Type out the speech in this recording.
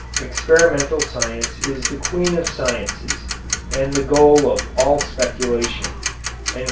Experimental science is the queen of sciences, and the goal of all speculation."